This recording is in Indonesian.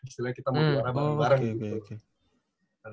istilahnya kita mau juara bareng bareng